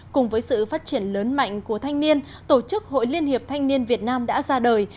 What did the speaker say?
cùng với sự phát triển lớn mạnh của thanh niên tổ chức hội liên hiệp thanh niên việt nam đã ra đời